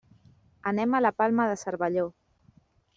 Anem a la Palma de Cervelló.